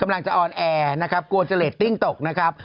มันเจ็บไปสังครบ